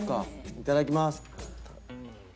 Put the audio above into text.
いただきます。